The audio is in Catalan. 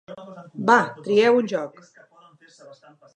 Va, trieu un joc!